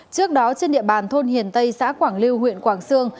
trước đó trên địa bàn thôn hiền tây xã quảng lưu huyện quảng sương